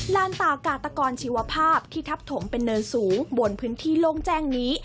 ลานตากาตกรชีวภาพที่ทับถมเป็นเนินสูงบนพื้นที่โล่งแจ้งนี้